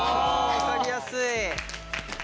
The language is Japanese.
分かりやすい。